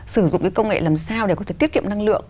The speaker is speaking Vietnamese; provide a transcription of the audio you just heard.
sử dụng cái công nghệ làm sao để có thể tiết kiệm năng lượng